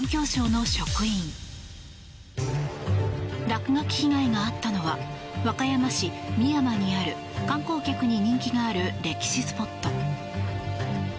落書き被害があったのは和歌山市深山にある観光客に人気がある歴史スポット。